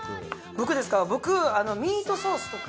僕ですか？